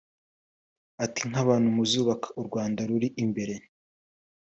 Ati “Nk’abantu muzubaka u Rwanda ruri imbere